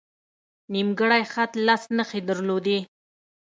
نیمګړی خط لس نښې درلودې.